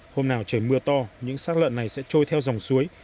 hôm nào trời mưa to những sắc lợn này sẽ trôi theo dòng suối